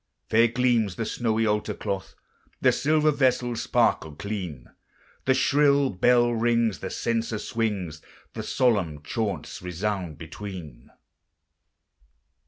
Fair gleams the snowy altar cloth, The silver vessels sparkle clean, The shrill bell rings, the censer swings, And solemn chaunts resound between.